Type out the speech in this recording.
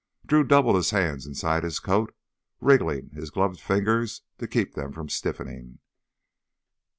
Drew doubled his hands inside his coat, wriggling his gloved fingers to keep them from stiffening.